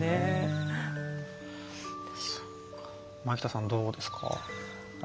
前北さん、どうですか？